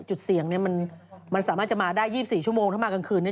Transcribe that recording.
จุดเสี่ยงเนี่ยมันสามารถจะมาได้๒๔ชั่วโมงถ้ามากลางคืนนี้